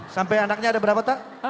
sampai anaknya ada berapa pak